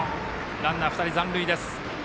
ランナー２人残塁です。